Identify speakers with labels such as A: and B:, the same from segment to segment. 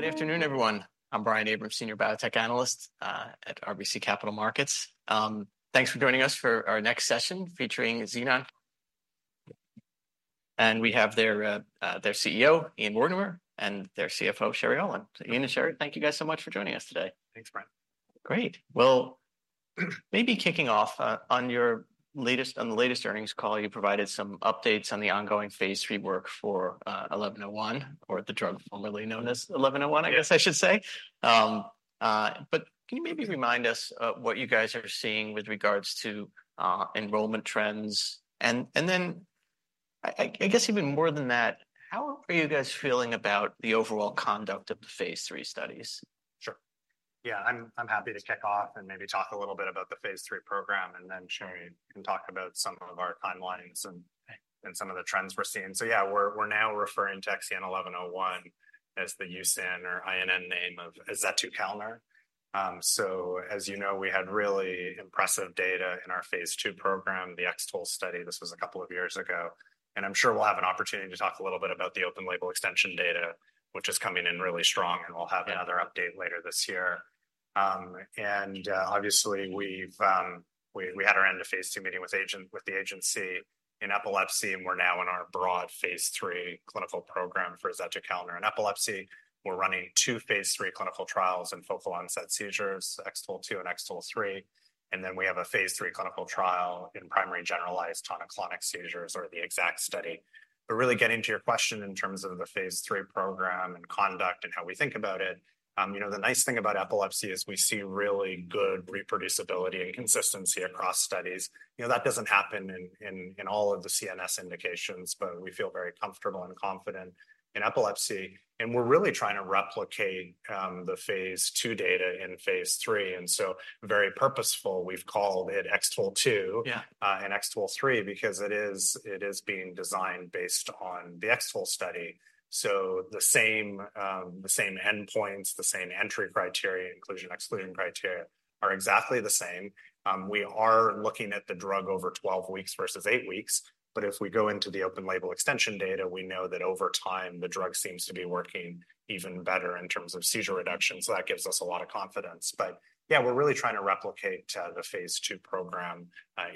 A: Good afternoon, everyone. I'm Brian Abrahams, Senior Biotech Analyst at RBC Capital Markets. Thanks for joining us for our next session featuring Xenon. We have their CEO, Ian Mortimer, and their CFO, Sherry Aulin. Ian and Sherry, thank you guys so much for joining us today.
B: Thanks, Brian.
A: Great. Well, maybe kicking off, on your latest on the latest earnings call, you provided some updates on the ongoing phase III work for 1101, or the drug formerly known as 1101, I guess I should say. But can you maybe remind us what you guys are seeing with regards to enrollment trends? And then I guess even more than that, how are you guys feeling about the overall conduct of the phase III studies?
B: Sure. Yeah, I'm happy to kick off and maybe talk a little bit about the phase III program, and then Sherry can talk about some of our timelines and some of the trends we're seeing. So yeah, we're now referring to XEN1101 as the USAN or INN name of azetukalner. So as you know, we had really impressive data in our phase II program, the X-TOLE study. This was a couple of years ago. And I'm sure we'll have an opportunity to talk a little bit about the open-label extension data, which is coming in really strong, and we'll have another update later this year. And, obviously, we've had our end of phase II meeting with the agency in epilepsy, and we're now in our broad phase III clinical program for azetukalner in epilepsy. We're running two phase III clinical trials in focal onset seizures, X-TOLE2 and X-TOLE3. Then we have a phase III clinical trial in primary generalized tonic-clonic seizures, or the X-ACKT study. But really getting to your question in terms of the phase III program and conduct and how we think about it, you know, the nice thing about epilepsy is we see really good reproducibility and consistency across studies. You know, that doesn't happen in, in, in all of the CNS indications, but we feel very comfortable and confident in epilepsy. And we're really trying to replicate, the phase II data in phase III. So very purposeful, we've called it X-TOLE2. X-TOLE3 because it is being designed based on the X-TOLE study. So the same, the same endpoints, the same entry criteria, inclusion/exclusion criteria, are exactly the same. We are looking at the drug over 12 weeks versus 8 weeks. But if we go into the open label extension data, we know that over time the drug seems to be working even better in terms of seizure reduction. So that gives us a lot of confidence. But yeah, we're really trying to replicate, the phase II program,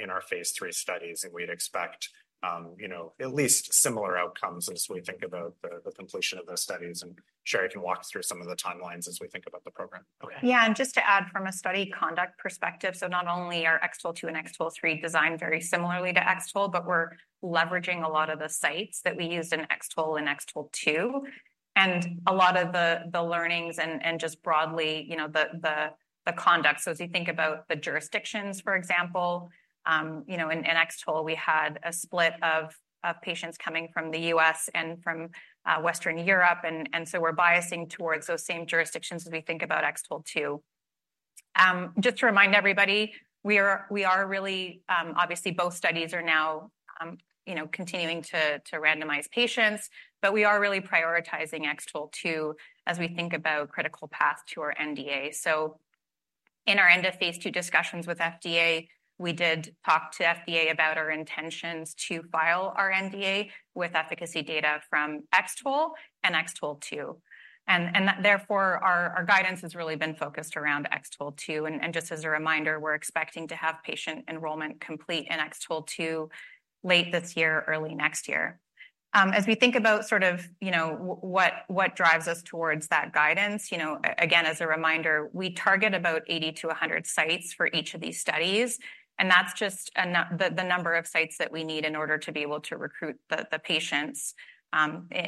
B: in our phase III studies, and we'd expect, you know, at least similar outcomes as we think about the completion of those studies. And Sherry can walk us through some of the timelines as we think about the program. Okay.
C: Yeah. And just to add from a study conduct perspective, so not only are X-TOLE2 and X-TOLE3 designed very similarly to X-TOLE, but we're leveraging a lot of the sites that we used in X-TOLE and X-TOLE2. And a lot of the learnings and just broadly, you know, the conduct. So as you think about the jurisdictions, for example, you know, in X-TOLE, we had a split of patients coming from the U.S. and from Western Europe. And so we're biasing towards those same jurisdictions as we think about X-TOLE2. Just to remind everybody, we are really, obviously, both studies are now, you know, continuing to randomize patients. But we are really prioritizing X-TOLE2 as we think about critical path to our NDA. So in our end of phase II discussions with FDA, we did talk to FDA about our intentions to file our NDA with efficacy data from X-TOLE and X-TOLE2. And that, therefore, our guidance has really been focused around X-TOLE2. And just as a reminder, we're expecting to have patient enrollment complete in X-TOLE2 late this year, early next year. As we think about sort of, you know, what drives us towards that guidance, you know, again, as a reminder, we target about 80-100 sites for each of these studies. And that's just the number of sites that we need in order to be able to recruit the patients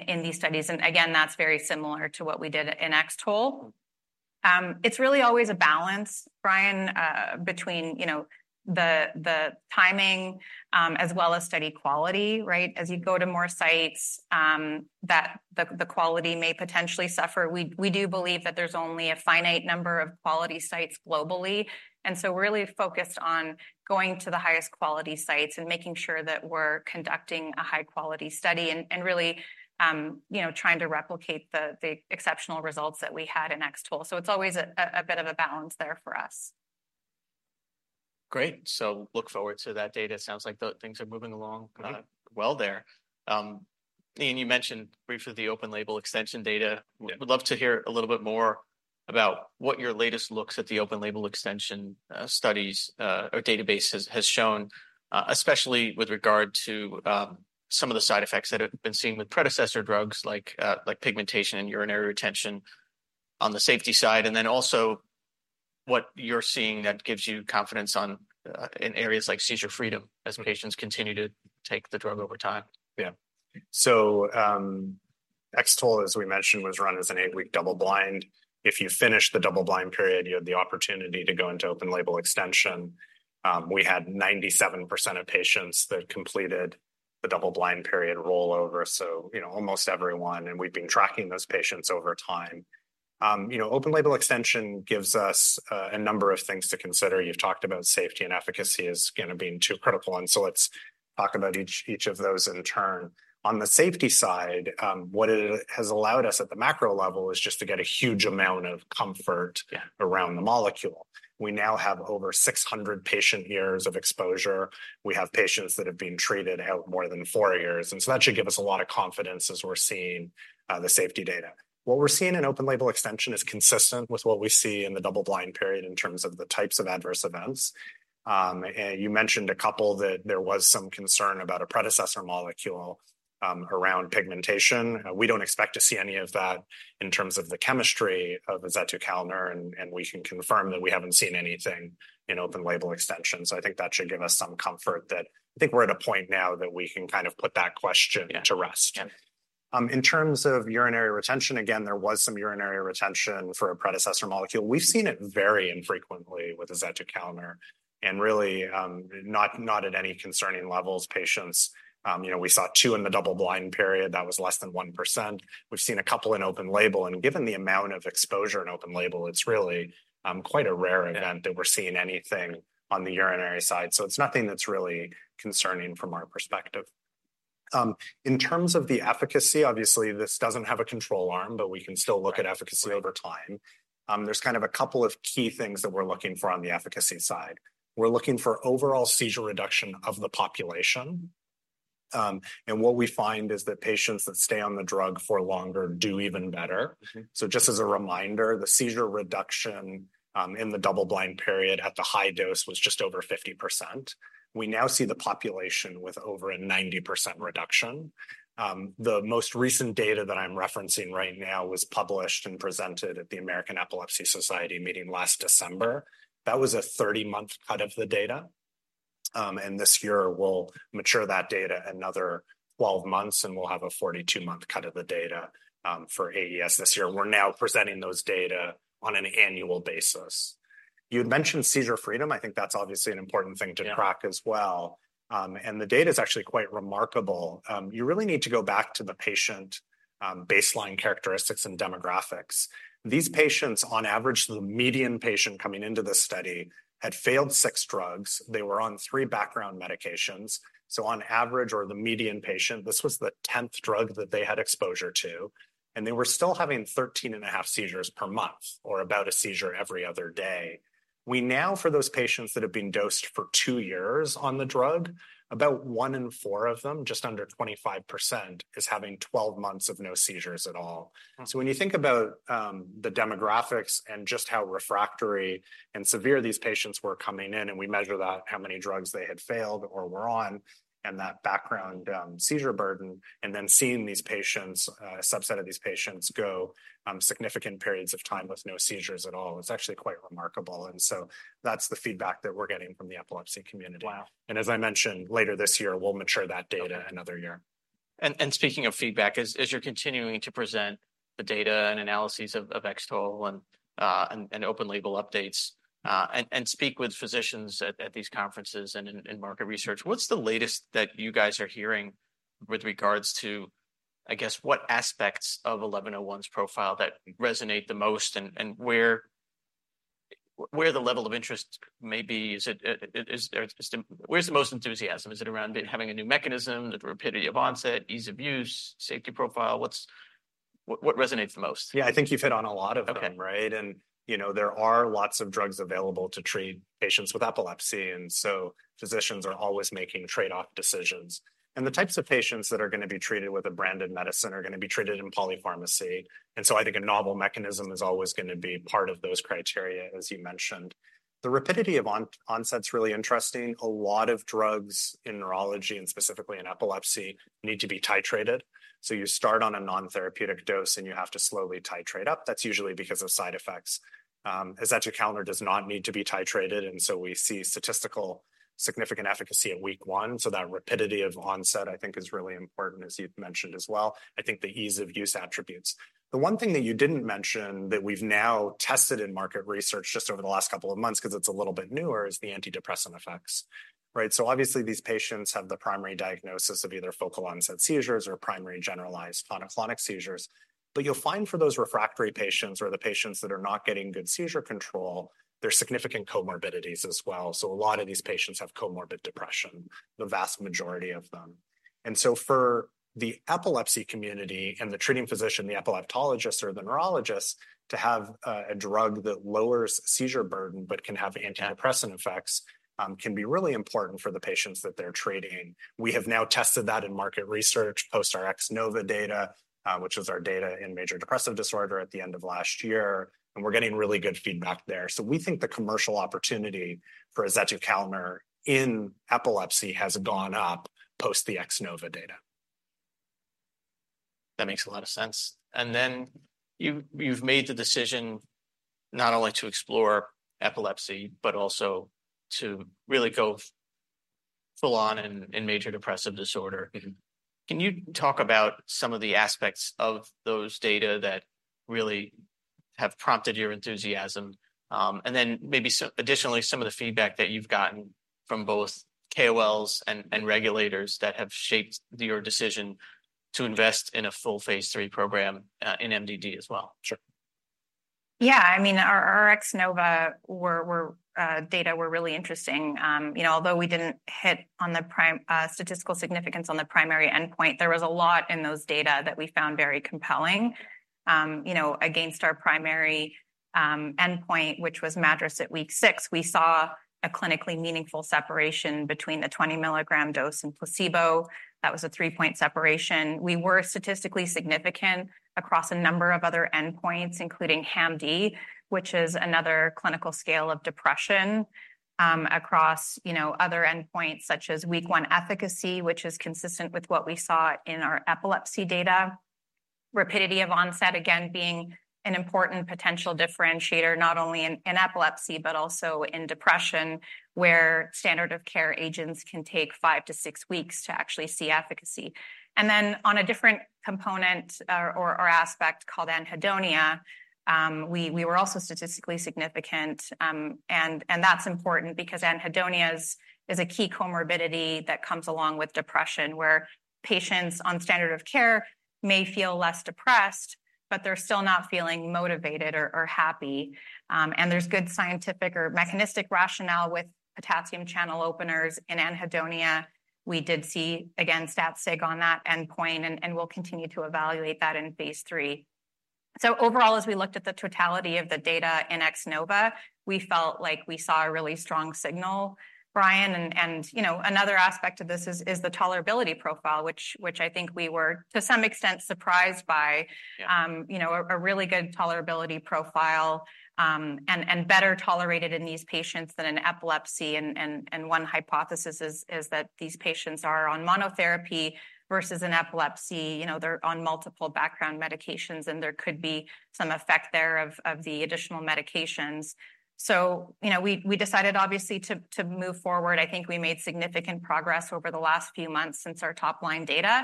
C: in these studies. And again, that's very similar to what we did in X-TOLE. It's really always a balance, Brian, between, you know, the timing, as well as study quality, right? As you go to more sites, that the quality may potentially suffer. We do believe that there's only a finite number of quality sites globally. And so we're really focused on going to the highest quality sites and making sure that we're conducting a high-quality study and really, you know, trying to replicate the exceptional results that we had in X-TOLE. So it's always a bit of a balance there for us.
A: Great. So look forward to that data. Sounds like the things are moving along, well there. Ian, you mentioned briefly the open label extension data. Would love to hear a little bit more about what your latest looks at the open label extension, studies, or database has shown, especially with regard to some of the side effects that have been seen with predecessor drugs like pigmentation and urinary retention on the safety side, and then also what you're seeing that gives you confidence on in areas like seizure freedom as patients continue to take the drug over time.
B: Yeah. So, X-TOLE, as we mentioned, was run as an eight-week double-blind. If you finish the double-blind period, you have the opportunity to go into open-label extension. We had 97% of patients that completed the double-blind period rollover. So, you know, almost everyone. And we've been tracking those patients over time. You know, open-label extension gives us a number of things to consider. You've talked about safety and efficacy as kind of being two critical. And so let's talk about each of those in turn. On the safety side, what it has allowed us at the macro level is just to get a huge amount of comfort around the molecule. We now have over 600 patient years of exposure. We have patients that have been treated out more than four years. And so that should give us a lot of confidence as we're seeing the safety data. What we're seeing in open-label extension is consistent with what we see in the double-blind period in terms of the types of adverse events. And you mentioned a couple that there was some concern about a predecessor molecule, around pigmentation. We don't expect to see any of that in terms of the chemistry of azetukalner, and and we can confirm that we haven't seen anything in open-label extension. So I think that should give us some comfort that I think we're at a point now that we can kind of put that question to rest. In terms of urinary retention, again, there was some urinary retention for a predecessor molecule. We've seen it very infrequently with azetukalner. And really, not at any concerning levels, patients, you know, we saw two in the double-blind period. That was less than 1%. We've seen a couple in open label. And given the amount of exposure in open label, it's really quite a rare event that we're seeing anything on the urinary side. So it's nothing that's really concerning from our perspective. In terms of the efficacy, obviously, this doesn't have a control arm, but we can still look at efficacy over time. There's kind of a couple of key things that we're looking for on the efficacy side. We're looking for overall seizure reduction of the population. And what we find is that patients that stay on the drug for longer do even better. So just as a reminder, the seizure reduction in the double-blind period at the high dose was just over 50%. We now see the population with over a 90% reduction. The most recent data that I'm referencing right now was published and presented at the American Epilepsy Society meeting last December. That was a 30-month cut of the data. And this year we'll mature that data another 12 months, and we'll have a 42-month cut of the data for AES this year. We're now presenting those data on an annual basis. You had mentioned seizure freedom. I think that's obviously an important thing to track as well. And the data is actually quite remarkable. You really need to go back to the patient baseline characteristics and demographics. These patients, on average, the median patient coming into this study had failed six drugs. They were on three background medications. So on average, or the median patient, this was the 10th drug that they had exposure to. And they were still having 13.5 seizures per month, or about a seizure every other day. We now, for those patients that have been dosed for two years on the drug, about one in four of them, just under 25%, is having 12 months of no seizures at all. So when you think about, the demographics and just how refractory and severe these patients were coming in, and we measure that, how many drugs they had failed or were on, and that background, seizure burden, and then seeing these patients, a subset of these patients, go, significant periods of time with no seizures at all, it's actually quite remarkable. And so that's the feedback that we're getting from the epilepsy community. As I mentioned, later this year, we'll mature that data another year.
A: And speaking of feedback, as you're continuing to present the data and analyses of X-TOLE and open-label updates, and speak with physicians at these conferences and in market research, what's the latest that you guys are hearing with regards to, I guess, what aspects of XEN1101's profile that resonate the most, and where the level of interest may be? Is it where's the most enthusiasm? Is it around having a new mechanism, the rapidity of onset, ease of use, safety profile? What resonates the most?
B: Yeah, I think you've hit on a lot of them, right? And you know, there are lots of drugs available to treat patients with epilepsy. And so physicians are always making trade-off decisions. And the types of patients that are going to be treated with a branded medicine are going to be treated in polypharmacy. And so I think a novel mechanism is always going to be part of those criteria, as you mentioned. The rapidity of onset's really interesting. A lot of drugs in neurology, and specifically in epilepsy, need to be titrated. So you start on a non-therapeutic dose, and you have to slowly titrate up. That's usually because of side effects. Azetukalner does not need to be titrated. And so we see statistical significant efficacy at week one. So that rapidity of onset, I think, is really important, as you've mentioned as well. I think the ease of use attributes. The one thing that you didn't mention that we've now tested in market research just over the last couple of months, because it's a little bit newer, is the antidepressant effects. Right? So obviously, these patients have the primary diagnosis of either focal onset seizures or primary generalized tonic-clonic seizures. But you'll find for those refractory patients or the patients that are not getting good seizure control, there's significant comorbidities as well. So a lot of these patients have comorbid depression, the vast majority of them. And so for the epilepsy community and the treating physician, the epileptologist, or the neurologist, to have a drug that lowers seizure burden but can have antidepressant effects can be really important for the patients that they're treating. We have now tested that in market research post our X-NOVA data, which is our data in major depressive disorder at the end of last year. And we're getting really good feedback there. So we think the commercial opportunity for azetukalner in epilepsy has gone up post the X-NOVA data.
A: That makes a lot of sense. And then you've made the decision not only to explore epilepsy, but also to really go full on in major depressive disorder. Can you talk about some of the aspects of those data that really have prompted your enthusiasm, and then maybe additionally, some of the feedback that you've gotten from both KOLs and regulators that have shaped your decision to invest in a full phase III program in MDD as well?
B: Sure.
C: Yeah. I mean, our X-NOVA data were really interesting. You know, although we didn't hit on the primary statistical significance on the primary endpoint, there was a lot in those data that we found very compelling. You know, against our primary endpoint, which was MADRS at week six, we saw a clinically meaningful separation between the 20 mg dose and placebo. That was a 3-point separation. We were statistically significant across a number of other endpoints, including HAM-D, which is another clinical scale of depression across, you know, other endpoints, such as week 1 efficacy, which is consistent with what we saw in our epilepsy data. Rapidity of onset, again, being an important potential differentiator, not only in epilepsy, but also in depression, where standard of care agents can take five-six weeks to actually see efficacy. And then on a different component or aspect called anhedonia, we were also statistically significant. And that's important because anhedonia is a key comorbidity that comes along with depression, where patients on standard of care may feel less depressed, but they're still not feeling motivated or happy. And there's good scientific or mechanistic rationale with potassium channel openers in anhedonia. We did see again stat sig on that endpoint, and we'll continue to evaluate that in phase III. So overall, as we looked at the totality of the data in X-NOVA, we felt like we saw a really strong signal, Brian. And you know, another aspect of this is the tolerability profile, which I think we were, to some extent, surprised by. You know, a really good tolerability profile and better tolerated in these patients than in epilepsy. One hypothesis is that these patients are on monotherapy versus in epilepsy. You know, they're on multiple background medications, and there could be some effect there of the additional medications. So you know, we decided, obviously, to move forward. I think we made significant progress over the last few months since our top-line data.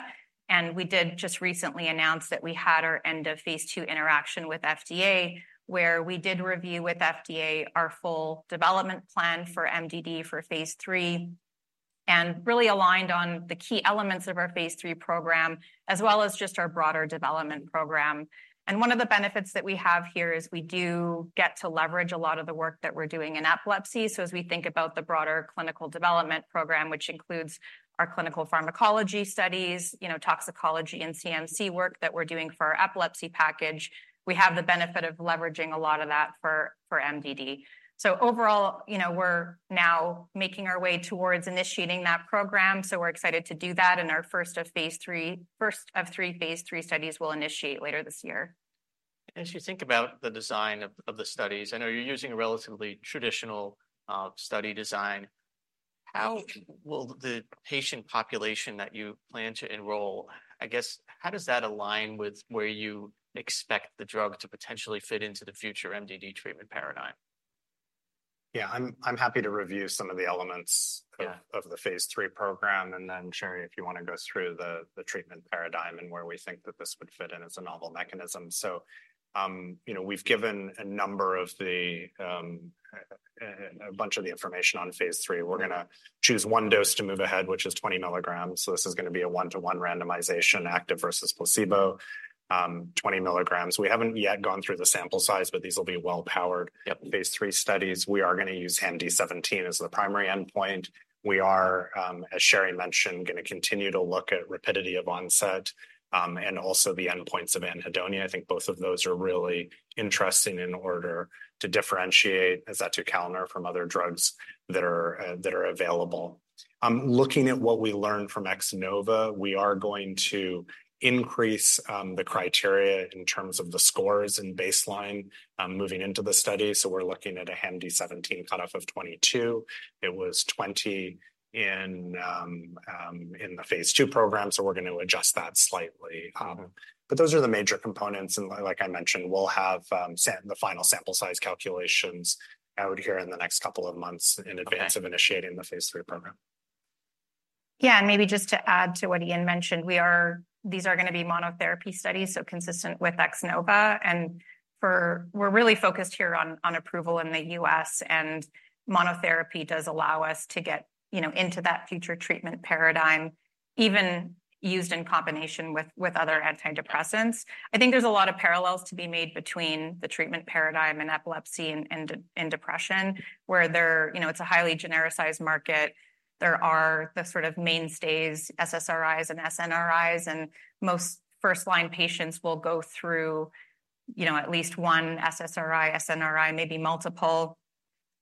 C: We did just recently announce that we had our end-of-phase II interaction with FDA, where we did review with FDA our full development plan for MDD for phase III. And really aligned on the key elements of our phase III program, as well as just our broader development program. One of the benefits that we have here is we do get to leverage a lot of the work that we're doing in epilepsy. So as we think about the broader clinical development program, which includes our clinical pharmacology studies, you know, toxicology and CMC work that we're doing for our epilepsy package, we have the benefit of leveraging a lot of that for MDD. So overall, you know, we're now making our way towards initiating that program. So we're excited to do that. And our first phase III, first of three phase III studies will initiate later this year.
A: As you think about the design of the studies, I know you're using a relatively traditional study design. How will the patient population that you plan to enroll, I guess, how does that align with where you expect the drug to potentially fit into the future MDD treatment paradigm?
B: Yeah, I'm happy to review some of the elements of the phase III program. And then, Sherry, if you want to go through the treatment paradigm and where we think that this would fit in as a novel mechanism. So you know, we've given a bunch of the information on phase III. We're gonna choose one dose to move ahead, which is 20 milligrams. So this is gonna be a one-to-one randomization, active versus placebo. 20 milligrams. We haven't yet gone through the sample size, but these will be well-powered phase III studies. We are gonna use HAM-D17 as the primary endpoint. We are, as Sherry mentioned, gonna continue to look at rapidity of onset and also the endpoints of anhedonia. I think both of those are really interesting in order to differentiate azetukalner from other drugs that are available. Looking at what we learned from X-NOVA, we are going to increase the criteria in terms of the scores in baseline moving into the study. So we're looking at a HAM-D17 cutoff of 22. It was 20 in the phase II program. So we're gonna adjust that slightly. But those are the major components. And like I mentioned, we'll have the final sample size calculations out here in the next couple of months in advance of initiating the phase III program.
C: Yeah. And maybe just to add to what Ian mentioned, these are gonna be monotherapy studies, so consistent with X-NOVA. We're really focused here on approval in the US, and monotherapy does allow us to get, you know, into that future treatment paradigm, even used in combination with other antidepressants. I think there's a lot of parallels to be made between the treatment paradigm in epilepsy and in depression, where they're, you know, it's a highly genericized market. There are the sort of mainstays, SSRIs and SNRIs, and most first line patients will go through, you know, at least one SSRI, SNRI, maybe multiple.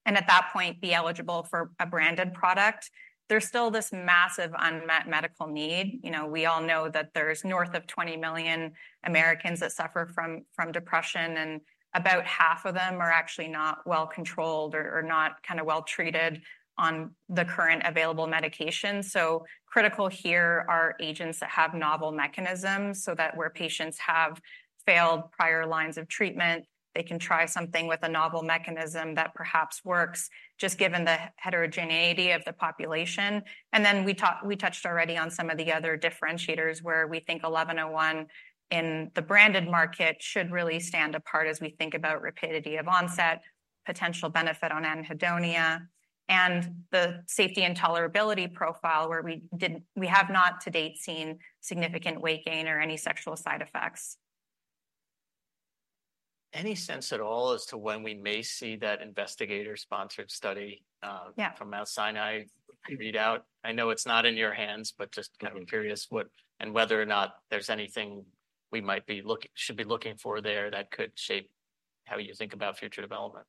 C: And at that point, be eligible for a branded product. There's still this massive unmet medical need. You know, we all know that there's north of 20 million Americans that suffer from depression, and about half of them are actually not well controlled or not kind of well treated on the current available medication. So critical here are agents that have novel mechanisms so that where patients have failed prior lines of treatment, they can try something with a novel mechanism that perhaps works, just given the heterogeneity of the population. And then we touched already on some of the other differentiators, where we think 1101 in the branded market should really stand apart as we think about rapidity of onset, potential benefit on anhedonia. And the safety and tolerability profile, where we have not to date seen significant weight gain or any sexual side effects.
A: Any sense at all as to when we may see that investigator-sponsored study from Mount Sinai read out? I know it's not in your hands, but just kind of curious what and whether or not there's anything we should be looking for there that could shape how you think about future development.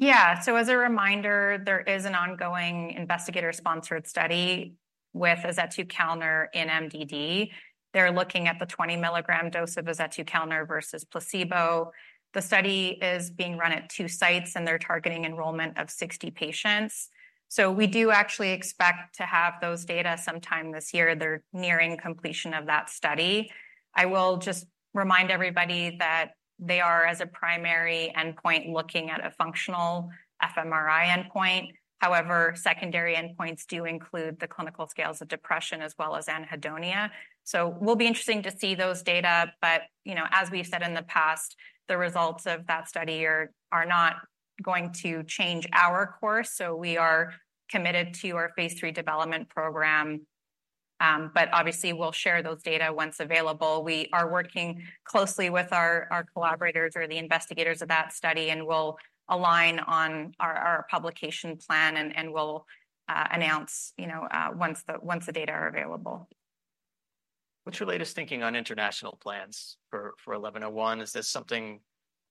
C: Yeah. So as a reminder, there is an ongoing investigator-sponsored study with azetukalner in MDD. They're looking at the 20 milligram dose of azetukalner versus placebo. The study is being run at two sites, and they're targeting enrollment of 60 patients. So we do actually expect to have those data sometime this year. They're nearing completion of that study. I will just remind everybody that they are, as a primary endpoint, looking at a functional fMRI endpoint. However, secondary endpoints do include the clinical scales of depression as well as anhedonia. So we'll be interesting to see those data. But you know, as we've said in the past, the results of that study are not going to change our course. So we are committed to our phase III development program. But obviously, we'll share those data once available. We are working closely with our collaborators or the investigators of that study, and we'll align on our publication plan. We'll announce, you know, once the data are available.
A: What's your latest thinking on international plans for 1101? Is this something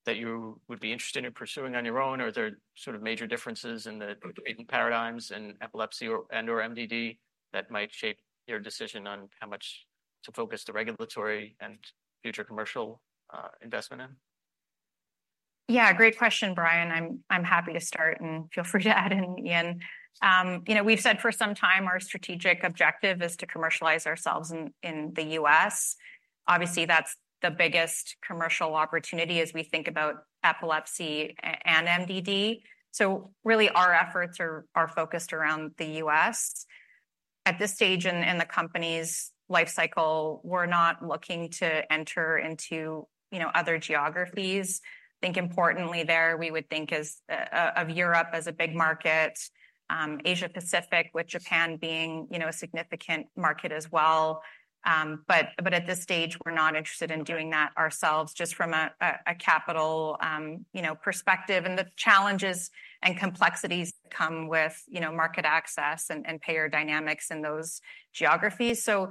A: that you would be interested in pursuing on your own, or are there sort of major differences in the treatment paradigms in epilepsy and/or MDD that might shape your decision on how much to focus the regulatory and future commercial investment in?
C: Yeah, great question, Brian. I'm I'm happy to start, and feel free to add in, Ian. You know, we've said for some time our strategic objective is to commercialize ourselves in the U.S. Obviously, that's the biggest commercial opportunity as we think about epilepsy and MDD. So really, our efforts are are focused around the U.S. At this stage in the company's lifecycle, we're not looking to enter into, you know, other geographies. I think importantly there, we would think of Europe as a big market, Asia Pacific, with Japan being, you know, a significant market as well. But but at this stage, we're not interested in doing that ourselves, just from a capital, you know, perspective. And the challenges and complexities that come with, you know, market access and payer dynamics in those geographies. So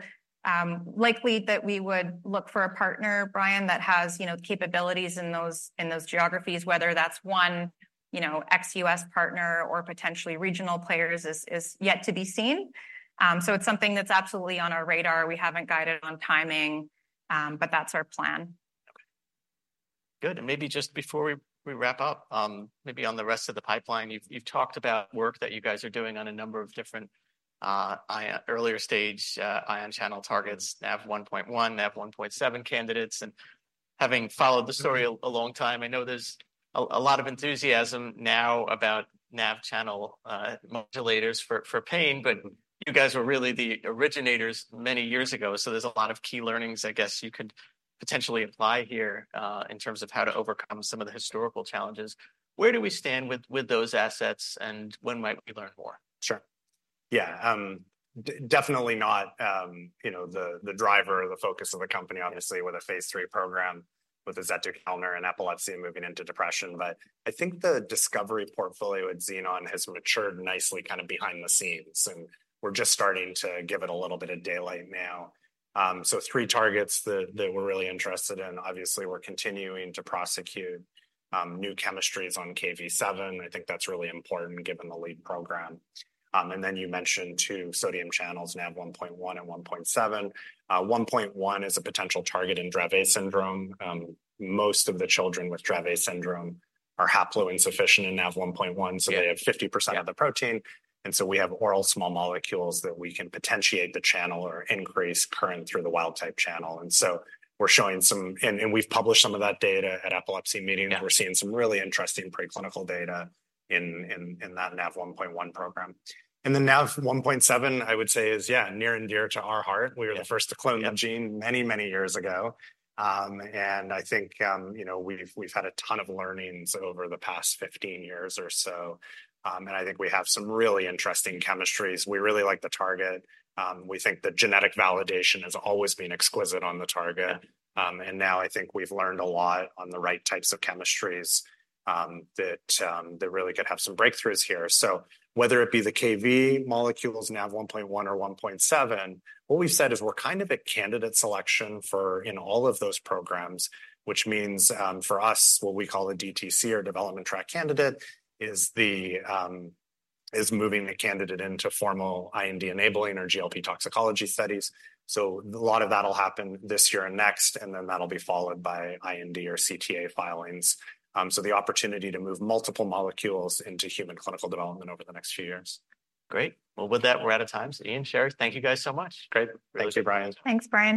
C: likely that we would look for a partner, Brian, that has, you know, capabilities in those geographies, whether that's one, you know, ex-U.S. partner or potentially regional players, is yet to be seen. So it's something that's absolutely on our radar. We haven't guided on timing. But that's our plan.
A: Okay. Good. Maybe just before we wrap up, maybe on the rest of the pipeline, you've talked about work that you guys are doing on a number of different earlier stage ion channel targets, Nav1.1, Nav1.7 candidates, and having followed the story a long time. I know there's a lot of enthusiasm now about Nav channel modulators for pain, but you guys were really the originators many years ago. So there's a lot of key learnings, I guess, you could potentially apply here in terms of how to overcome some of the historical challenges. Where do we stand with those assets, and when might we learn more?
B: Sure. Yeah. Definitely not, you know, the driver or the focus of the company, obviously, with a phase III program with azetukalner and epilepsy and moving into depression. But I think the discovery portfolio at Xenon has matured nicely kind of behind the scenes, and we're just starting to give it a little bit of daylight now. So three targets that we're really interested in, obviously, we're continuing to prosecute new chemistries on Kv7. I think that's really important, given the lead program. And then you mentioned two sodium channels, Nav1.1 and 1.7. 1.1 is a potential target in Dravet syndrome. Most of the children with Dravet syndrome are haploinsufficient in Nav1.1, so they have 50% of the protein. And so we have oral small molecules that we can potentiate the channel or increase current through the wild type channel. And so we're showing some, and we've published some of that data at epilepsy meetings. We're seeing some really interesting preclinical data in that Nav1.1 program. And the Nav1.7, I would say, is, yeah, near and dear to our heart. We were the first to clone the gene many, many years ago. And I think, you know, we've had a ton of learnings over the past 15 years or so. And I think we have some really interesting chemistries. We really like the target. We think the genetic validation has always been exquisite on the target. And now I think we've learned a lot on the right types of chemistries that really could have some breakthroughs here. So whether it be the Kv7 molecules, Nav1.1 or 1.7, what we've said is we're kind of a candidate selection for in all of those programs, which means for us, what we call a DTC or development track candidate is moving the candidate into formal IND-enabling or GLP toxicology studies. So a lot of that'll happen this year and next, and then that'll be followed by IND or CTA filings. So the opportunity to move multiple molecules into human clinical development over the next few years.
A: Great. Well, with that, we're out of time. Ian, Sherry, thank you guys so much. Great.
B: Thank you, Brian.
C: Thanks, Brian.